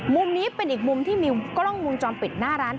มุมนี้เป็นอีกมุมที่มีกล้องมุมจรปิดหน้าร้าน